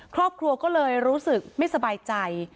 ครอบครัวก็เลยรู้สึกไม่สบายใจ